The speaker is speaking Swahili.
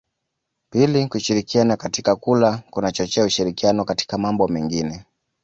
Pili kushirikiana katika kula kunachochea ushirikiano katika mambo mengine